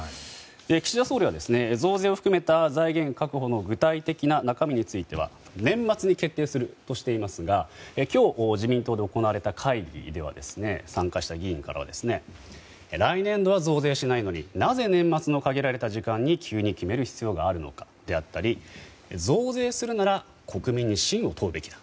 岸田総理は増税を含めた財源確保の具体的な中身については年末に決定するとしていますが今日、自民党で行われた会議に参加した議員からは来年度は増税しないのになぜ、年末の限られた時間に急に決める必要があるのかだったり増税するなら国民に信を問うべきだ。